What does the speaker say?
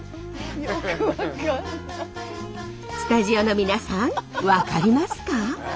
スタジオの皆さん分かりますか？